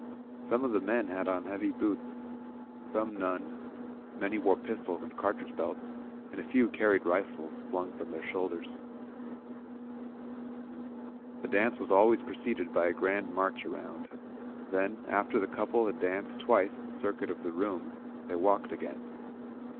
Some of the men had on heavy boots, some none; many wore pis tols and cartridge belts, and a few carried rifles slung from their shoulders. The dance was always preceded by a grand march around; then, after the couple had danced twice the circuit of the room, they walked again.